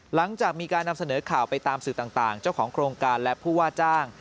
หลังจากมีการนำเสนอข่าวไปตามสื่อต่างเจ้าของโครงการและผู้ว่าจ้าง